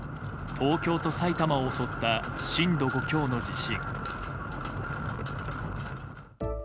東京と埼玉を襲った震度５強の地震。